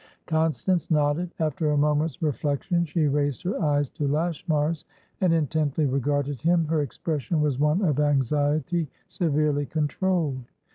Constance nodded. After a moment's reflection she raised her eyes to Lashmar's, and intently regarded him; her expression was one of anxiety severely controlled.